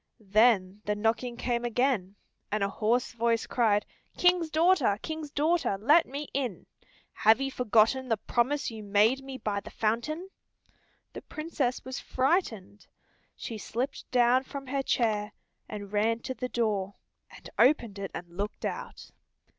Then the knocking came again, and a hoarse voice cried, "King's daughter, King's daughter, let me in. Have you forgotten the promise you made me by the fountain?" The Princess was frightened. She slipped down from her chair, and ran to the door, and opened it and looked out.